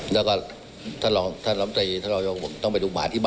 จะเอาไปเพิ่ม